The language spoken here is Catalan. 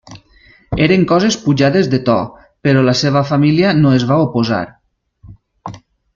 Eren coses pujades de to, però la seva família no es va oposar.